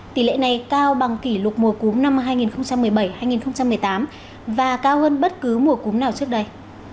tỷ lệ này cao bằng kỷ lục mùa cúm năm hai nghìn một mươi bảy hai nghìn một mươi tám và cao hơn bất cứ mùa cúm nào trước đây